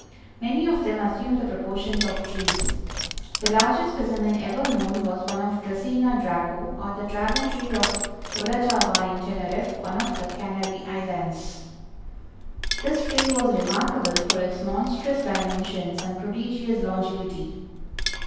Many of them assume the proportions of trees. The largest specimen ever known was one of Dracæna Draco, or the Dragon tree of Oratava in Teneriffe, one of the Canary Islands. This tree was remarkable for its monstrous dimensions and prodigious longevity.